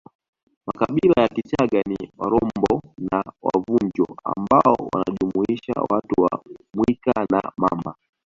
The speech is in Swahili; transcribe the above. Makabila ya Kichaga ni Warombo na Wavunjo ambao wanajumuisha watu wa Mwika na Mamba